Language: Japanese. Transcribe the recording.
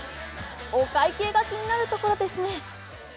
お会計が気になるところですね。